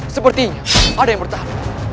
sepertinya ada yang bertahan